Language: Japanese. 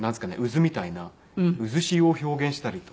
渦みたいな渦潮を表現したりとか。